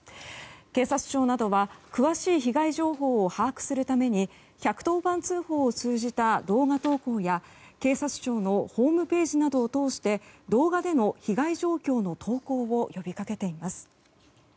警察庁などは詳しい被害情報を把握するために１１０番通報を通じた動画投稿や警察庁のホームページなどを通して動画での被害状況の投稿を呼びかけています。